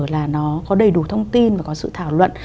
là nó có đầy đủ thông tin và có sự thảo luận